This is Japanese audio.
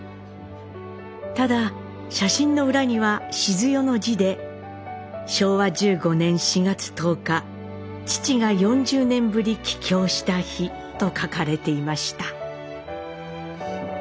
ただ写真の裏にはシズヨの字で「昭和十五年四月十日父が四十年振り帰京した日」と書かれていました。